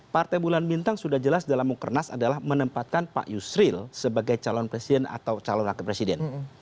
partai bulan bintang sudah jelas dalam mukernas adalah menempatkan pak yusril sebagai calon presiden atau calon wakil presiden